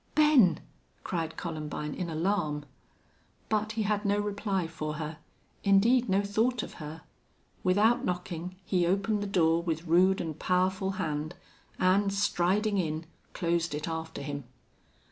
"Ben!" cried Columbine, in alarm. But he had no reply for her indeed, no thought of her. Without knocking, he opened the door with rude and powerful hand, and, striding in, closed it after him.